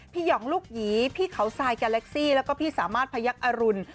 หย่องลูกหยีพี่เขาทรายแกเล็กซี่แล้วก็พี่สามารถพยักษ์อรุณ